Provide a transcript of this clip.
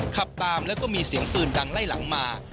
ขับตามแล้วก็มีเสียงปืนดังไล่หลังมา